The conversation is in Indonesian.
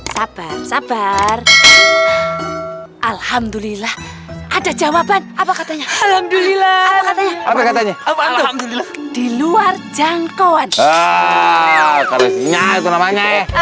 sabar sabar alhamdulillah ada jawaban apa katanya di luar jangkauan